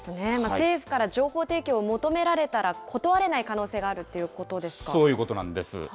政府から情報提供を求められたら断れない可能性があるということそういうことなんです。